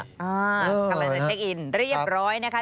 อ้าวตอนนั้นเช็คอินเรียบร้อยนะคะ